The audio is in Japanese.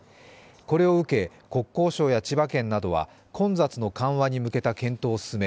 これを受け、国交省や千葉県などは混雑の緩和に向けた検討を進め